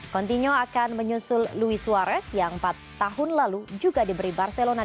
continuo akan menyusul louis warez yang empat tahun lalu juga diberi barcelona